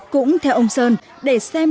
cũng theo ông sơn để xem